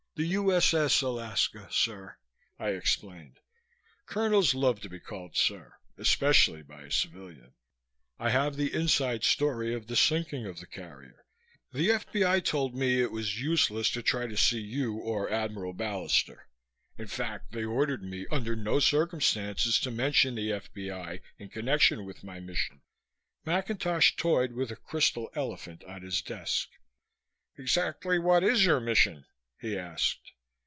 "The U.S.S. Alaska, sir," I explained. Colonels love to be called "Sir," especially by a civilian. "I have the inside story of the sinking of the carrier. The F.B.I. told me it was useless to try to see you or Admiral Ballister. In fact, they ordered me under no circumstances to mention the F.B.I. in connection with my mission." McIntosh toyed with a crystal elephant on his desk. "Exactly what is your mission?" he asked.